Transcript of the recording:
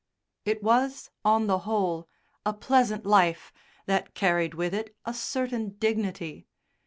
It was, on the whole, a pleasant life, that carried with it a certain dignity.